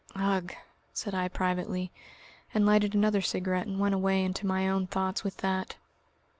"Ugh!" said I privately, and lighted another cigarette and went away into my own thoughts with that.